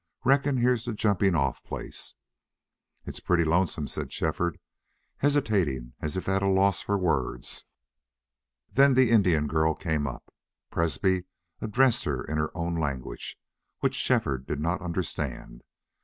"Reckon here's the jumping off place." "It's pretty lonesome," said Shefford, hesitating as if at a loss for words. Then the Indian girl came up. Presbrey addressed her in her own language, which Shefford did not understand.